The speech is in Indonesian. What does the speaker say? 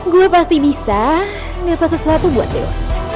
gue pasti bisa dapat sesuatu buat tuh